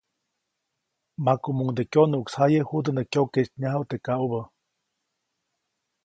Makumuŋde kyonuʼksjaye judä nä kyoketnyaju teʼ kaʼubä.